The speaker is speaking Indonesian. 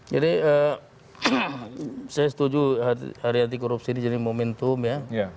jadi saya setuju hari anti korupsi ini jadi momentum ya